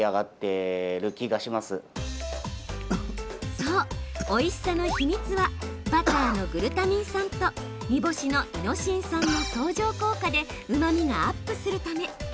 そう、おいしさの秘密はバターのグルタミン酸と煮干しのイノシン酸の相乗効果でうまみがアップするため。